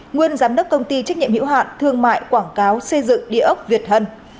nguyên giám đốc công ty trách nhiệm hữu hạn thương mại quảng cáo xây dựng địa ốc việt hân